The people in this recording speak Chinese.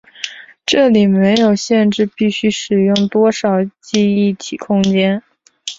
这里没有限制必须使用多少记忆体空间。